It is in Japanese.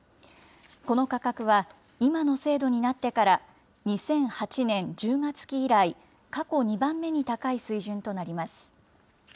この価格は、今の制度になってから２００８年１０月期以来、過去２番目に高い水準となります。